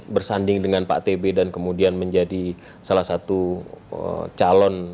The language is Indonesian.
bersanding dengan pak tb dan kemudian menjadi salah satu calon